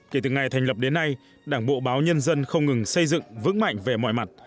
kể từ ngày thành lập đến nay đảng bộ báo nhân dân không ngừng xây dựng vững mạnh về mọi mặt